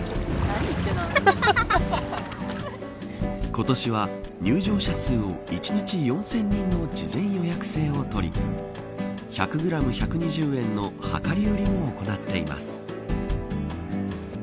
今年は入場者数を１日４０００人の事前予約制を取り１００グラム１２０円の量り売りも行っています。